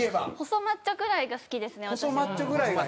細マッチョぐらいが好きですね私は。